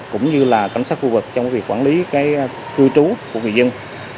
cũng như là cảnh sát khu vực trong việc quản lý cư trú của người dân